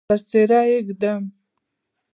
پر څیره یې ږدم